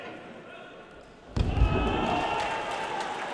任特航空曾是一家总部位于俄罗斯莫斯科西南行政区的航空公司。